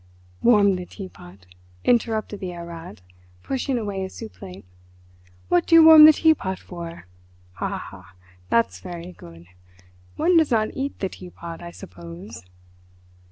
"Warm the teapot," interrupted the Herr Rat, pushing away his soup plate. "What do you warm the teapot for? Ha! ha! that's very good! One does not eat the teapot, I suppose?"